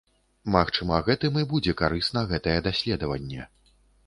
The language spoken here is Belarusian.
Магчыма гэтым і будзе карысна гэтае даследаванне.